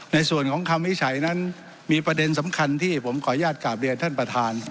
ในส่วนของคำวิจัยนั้นมีประเด็นสำคัญที่ผมขออนุญาตกราบเรียนท่านประธาน